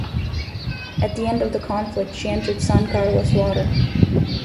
At the end of the conflict, she entered San Carlos water.